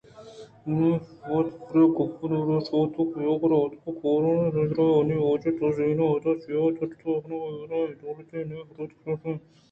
بَہت پرے گپّءَناوش بُوتءُ آئی ءِ کِرّا اتکءُ گورٛآئیءَدرّائینتے منی واجہ تو زمینءِحُداچیا دادءُ دَئشت کنگءَئےءُ اے بلاہیں دولت ءِ پروتءَرسینگے مانزمان گوٛشتءَئے